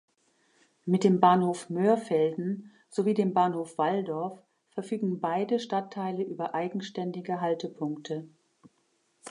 Mit dem Bahnhof Mörfelden sowie dem Bahnhof Walldorf verfügen beide Stadtteile über eigenständige Haltepunkte.